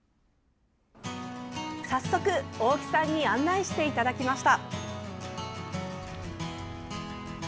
早速、大木さんに案内していただきました。